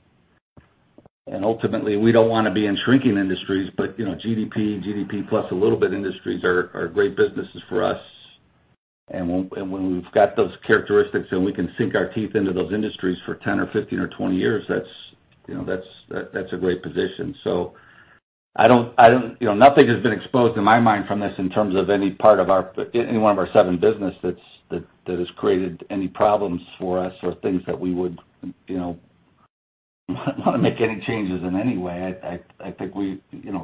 Ultimately, we don't want to be in shrinking industries, but GDP, GDP plus a little bit industries are great businesses for us. When we've got those characteristics and we can sink our teeth into those industries for 10 or 15 or 20 years, that's a great position. Nothing has been exposed in my mind from this in terms of any part of any one of our seven businesses that has created any problems for us or things that we would want to make any changes in any way. I think we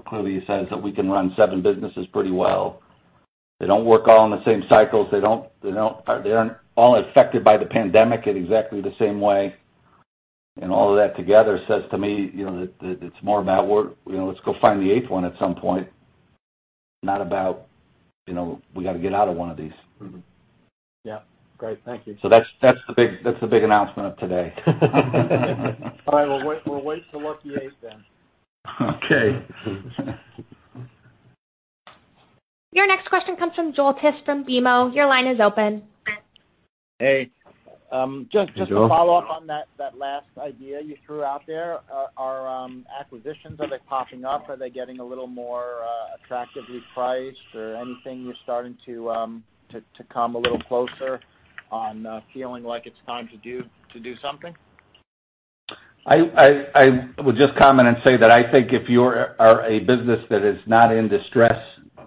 clearly say that we can run seven businesses pretty well. They do not work all in the same cycles. They are not all affected by the pandemic in exactly the same way. All of that together says to me that it is more about, "Let's go find the eighth one at some point," not about, "We got to get out of one of these." Yeah. Great. Thank you. That is the big announcement of today. All right. We'll wait to look at the eighth then. Okay. Your next question comes from Joel Tiss from BMO. Your line is open. Hey. Just to follow up on that last idea you threw out there, are acquisitions—are they popping up? Are they getting a little more attractively priced or anything? You're starting to come a little closer on feeling like it's time to do something? I would just comment and say that I think if you are a business that is not in distress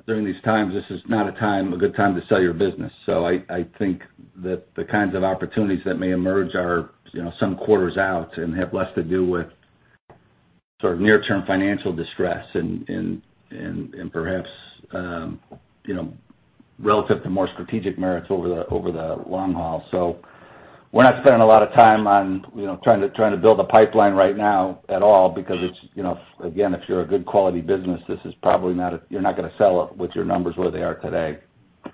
during these times, this is not a good time to sell your business. I think that the kinds of opportunities that may emerge are some quarters out and have less to do with sort of near-term financial distress and perhaps relative to more strategic merits over the long haul. We're not spending a lot of time on trying to build a pipeline right now at all because, again, if you're a good quality business, this is probably not—you're not going to sell it with your numbers where they are today. If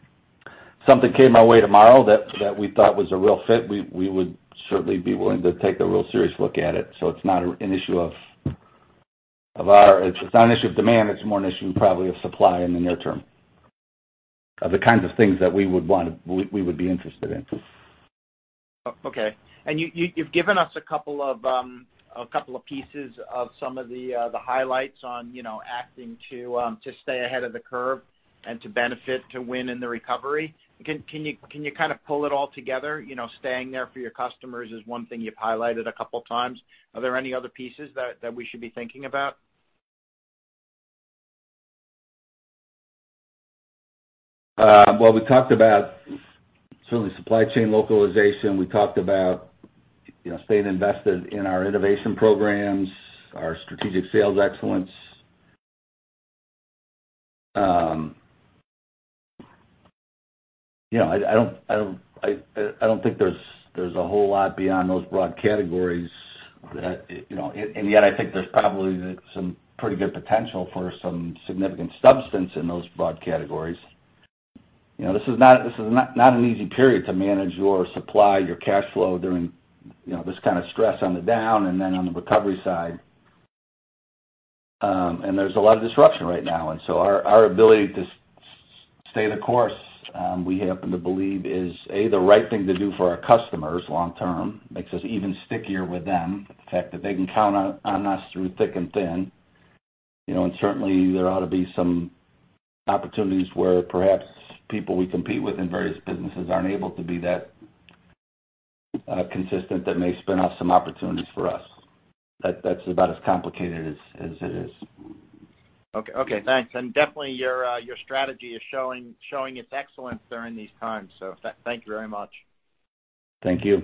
something came our way tomorrow that we thought was a real fit, we would certainly be willing to take a real serious look at it. It's not an issue of demand. It's more an issue probably of supply in the near term of the kinds of things that we would be interested in. Okay. You've given us a couple of pieces of some of the highlights on acting to stay ahead of the curve and to benefit to win in the recovery. Can you kind of pull it all together? Staying there for your customers is one thing you've highlighted a couple of times. Are there any other pieces that we should be thinking about? We talked about certainly supply chain localization. We talked about staying invested in our innovation programs, our strategic sales excellence. I don't think there's a whole lot beyond those broad categories. Yet, I think there's probably some pretty good potential for some significant substance in those broad categories. This is not an easy period to manage your supply, your cash flow during this kind of stress on the down and then on the recovery side. There is a lot of disruption right now. Our ability to stay the course, we happen to believe, is A, the right thing to do for our customers long-term, makes us even stickier with them, the fact that they can count on us through thick and thin. Certainly, there ought to be some opportunities where perhaps people we compete with in various businesses are not able to be that consistent that may spin off some opportunities for us. That is about as complicated as it is. Okay. Thanks. Your strategy is showing its excellence during these times. Thank you very much. Thank you.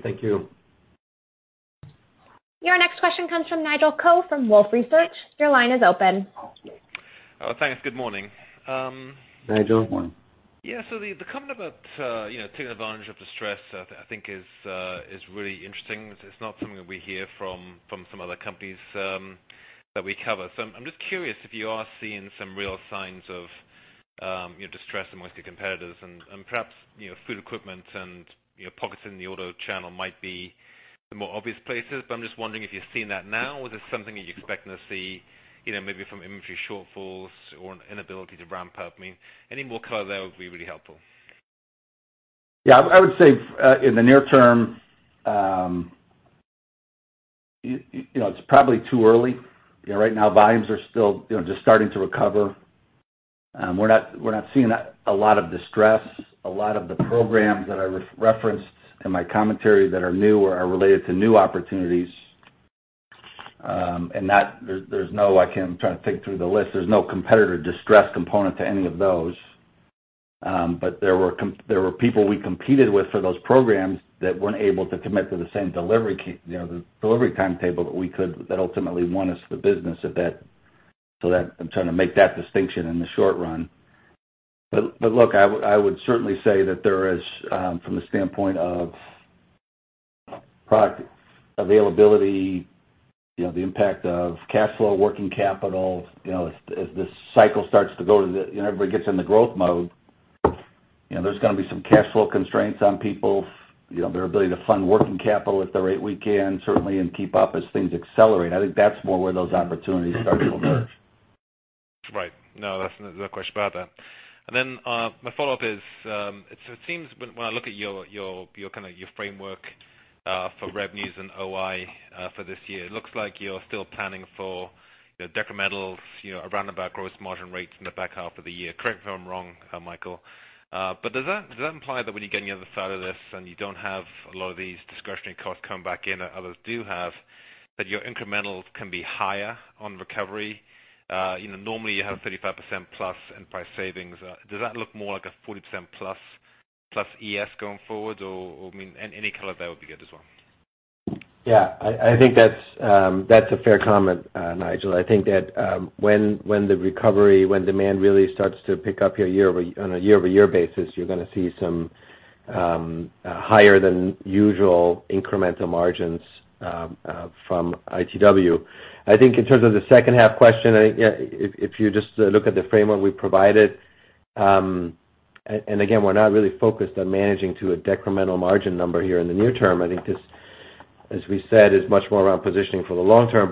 Your next question comes from Nigel Coe from Wolfe Research. Your line is open. Thanks. Good morning. Nigel. Good morning. The comment about taking advantage of distress, I think, is really interesting. It is not something that we hear from some other companies that we cover. I'm just curious if you are seeing some real signs of distress amongst your competitors. Perhaps food equipment and pockets in the order channel might be the more obvious places, but I'm just wondering if you're seeing that now, or is this something that you're expecting to see maybe from inventory shortfalls or an inability to ramp up? I mean, any more color there would be really helpful. Yeah. I would say in the near term, it's probably too early. Right now, volumes are still just starting to recover. We're not seeing a lot of distress. A lot of the programs that I referenced in my commentary that are new or are related to new opportunities, and there's no—I'm trying to think through the list. There's no competitor distress component to any of those. There were people we competed with for those programs that were not able to commit to the same delivery timetable that we could that ultimately won us the business. I am trying to make that distinction in the short run. I would certainly say that there is, from the standpoint of product availability, the impact of cash flow, working capital, as this cycle starts to go to the—everybody gets in the growth mode, there is going to be some cash flow constraints on people, their ability to fund working capital if they are eight week in, certainly, and keep up as things accelerate. I think that is more where those opportunities start to emerge. Right. No. There is no question about that. Then my follow-up is, it seems when I look at your kind of framework for revenues and OI for this year, it looks like you're still planning for decrementals around about gross margin rates in the back half of the year. Correct me if I'm wrong, Michael. Does that imply that when you get on the other side of this and you don't have a lot of these discretionary costs coming back in that others do have, that your incrementals can be higher on recovery? Normally, you have 35% plus in price savings. Does that look more like a 40% plus ES going forward? I mean, any color there would be good as well. Yeah. I think that's a fair comment, Nigel. I think that when the recovery, when demand really starts to pick up on a year-over-year basis, you're going to see some higher-than-usual incremental margins from ITW. I think in terms of the second-half question, if you just look at the framework we provided—and again, we're not really focused on managing to a decremental margin number here in the near term. I think this, as we said, is much more around positioning for the long term.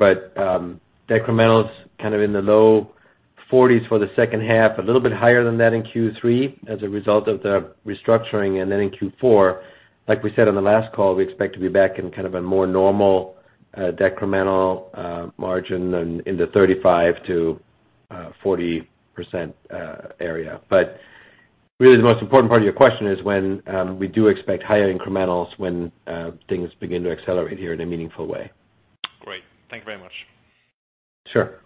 Decrementals kind of in the low 40% for the second half, a little bit higher than that in Q3 as a result of the restructuring. In Q4, like we said on the last call, we expect to be back in kind of a more normal decremental margin in the 35-40% area. Really, the most important part of your question is when we do expect higher incrementals when things begin to accelerate here in a meaningful way. Great. Thank you very much. Sure.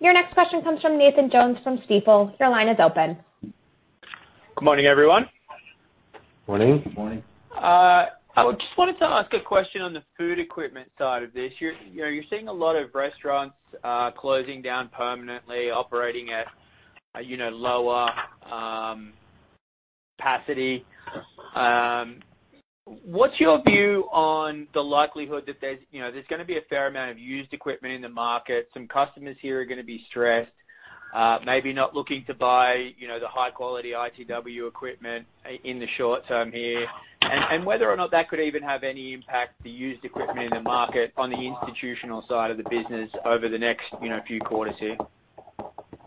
Your next question comes from Nathan Jones from Stifel. Your line is open. Good morning, everyone. Morning. Good morning. I just wanted to ask a question on the food equipment side of this. You're seeing a lot of restaurants closing down permanently, operating at lower capacity. What's your view on the likelihood that there's going to be a fair amount of used equipment in the market? Some customers here are going to be stressed, maybe not looking to buy the high-quality ITW equipment in the short term here. Whether or not that could even have any impact, the used equipment in the market, on the institutional side of the business over the next few quarters here?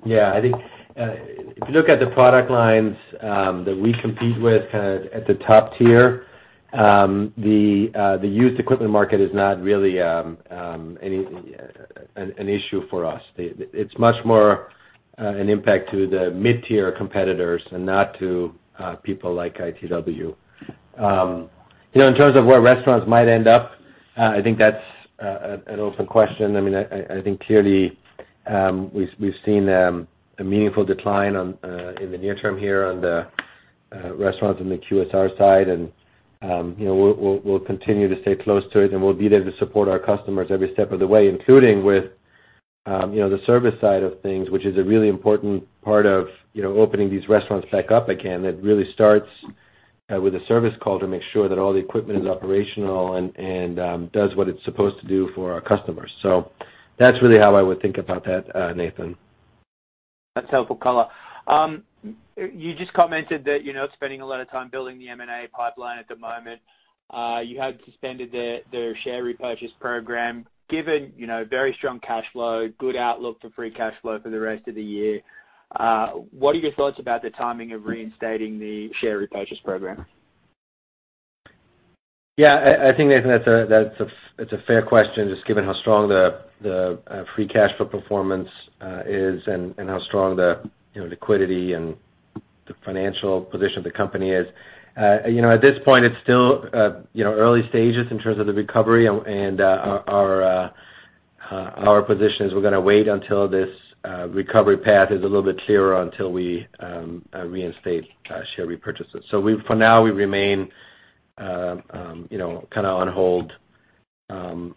Yeah. I think if you look at the product lines that we compete with kind of at the top tier, the used equipment market is not really an issue for us. It's much more an impact to the mid-tier competitors and not to people like ITW. In terms of where restaurants might end up, I think that's an open question. I mean, I think clearly we've seen a meaningful decline in the near term here on the restaurants on the QSR side. We will continue to stay close to it. We will be there to support our customers every step of the way, including with the service side of things, which is a really important part of opening these restaurants back up again. It really starts with a service call to make sure that all the equipment is operational and does what it's supposed to do for our customers. That's really how I would think about that, Nathan. That's helpful color. You just commented that you're not spending a lot of time building the M&A pipeline at the moment. You had suspended the share repurchase program. Given very strong cash flow, good outlook for free cash flow for the rest of the year, what are your thoughts about the timing of reinstating the share repurchase program? Yeah. I think that's a fair question just given how strong the free cash flow performance is and how strong the liquidity and the financial position of the company is. At this point, it's still early stages in terms of the recovery. Our position is we're going to wait until this recovery path is a little bit clearer until we reinstate share repurchases. For now, we remain kind of on hold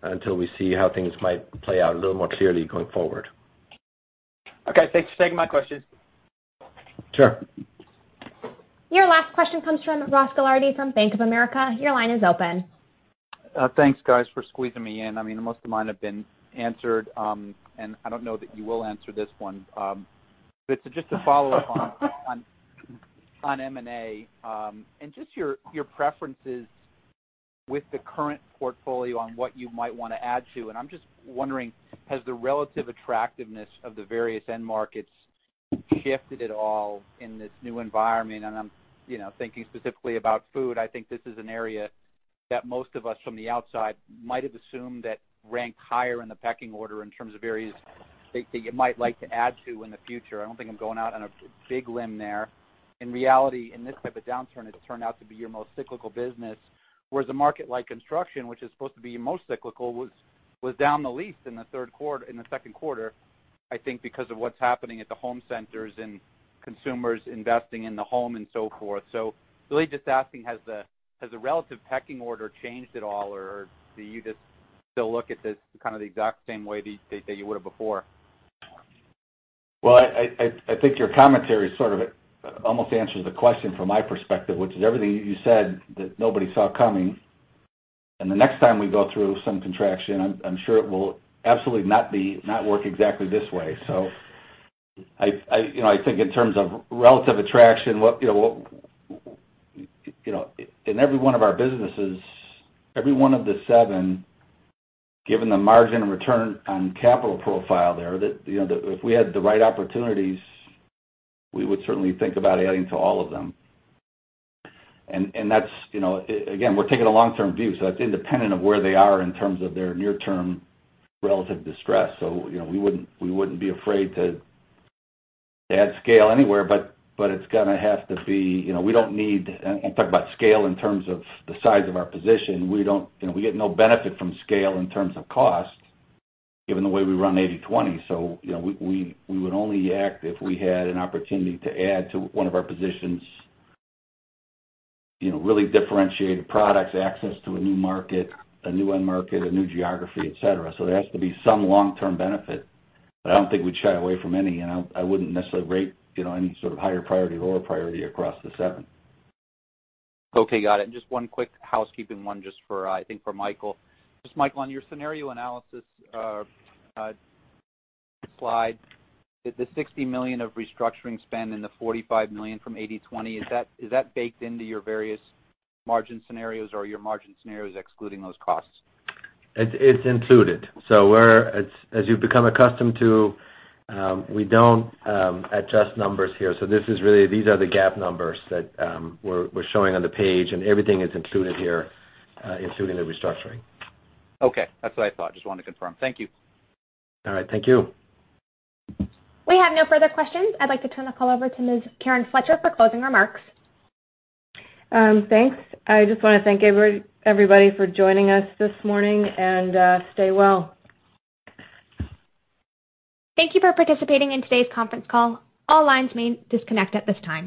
until we see how things might play out a little more clearly going forward. Okay. Thanks for taking my questions. Sure. Your last question comes from Ross Gilardi from Bank of America. Your line is open. Thanks, guys, for squeezing me in. I mean, most of mine have been answered. I do not know that you will answer this one. It is just a follow-up on M&A and just your preferences with the current portfolio on what you might want to add to. I am just wondering, has the relative attractiveness of the various end markets shifted at all in this new environment? I am thinking specifically about food. I think this is an area that most of us from the outside might have assumed that ranked higher in the pecking order in terms of areas that you might like to add to in the future. I do not think I am going out on a big limb there. In reality, in this type of downturn, it turned out to be your most cyclical business. Whereas a market like construction, which is supposed to be most cyclical, was down the least in the second quarter, I think, because of what is happening at the home centers and consumers investing in the home and so forth. Really just asking, has the relative pecking order changed at all, or do you just still look at this kind of the exact same way that you would have before? I think your commentary sort of almost answers the question from my perspective, which is everything you said that nobody saw coming. The next time we go through some contraction, I'm sure it will absolutely not work exactly this way. I think in terms of relative attraction, in every one of our businesses, every one of the seven, given the margin and return on capital profile there, if we had the right opportunities, we would certainly think about adding to all of them. Again, we're taking a long-term view. That's independent of where they are in terms of their near-term relative distress. We wouldn't be afraid to add scale anywhere. It's going to have to be we don't need—I'm talking about scale in terms of the size of our position. We get no benefit from scale in terms of cost, given the way we run 80/20. We would only act if we had an opportunity to add to one of our positions, really differentiated products, access to a new market, a new end market, a new geography, etc. There has to be some long-term benefit. I do not think we would shy away from any. I would not necessarily rate any sort of higher priority or lower priority across the seven. Okay. Got it. Just one quick housekeeping one just for, I think, for Michael. Michael, on your scenario analysis slide, the $60 million of restructuring spend and the $45 million from 80/20, is that baked into your various margin scenarios or are your margin scenarios excluding those costs? It is included. As you have become accustomed to, we do not adjust numbers here. These are the gap numbers that we're showing on the page. Everything is included here, including the restructuring. Okay. That's what I thought. Just wanted to confirm. Thank you. All right. Thank you. We have no further questions. I would like to turn the call over to Ms. Karen Fletcher for closing remarks. Thanks. I just want to thank everybody for joining us this morning. Stay well. Thank you for participating in today's conference call. All lines may disconnect at this time.